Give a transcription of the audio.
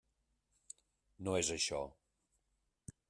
No és això.